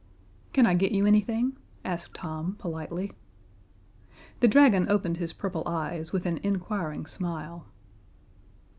"Can I get you anything?" asked Tom, politely. The dragon opened his purple eyes with an inquiring smile.